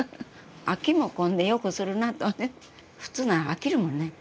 飽きもこんでよくするなって普通なら飽きるもんね。